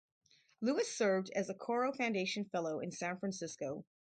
Lewis served as a Coro Foundation fellow in San Francisco.